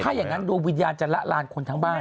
ถ้าอย่างนั้นดวงวิญญาณจะละลานคนทั้งบ้าน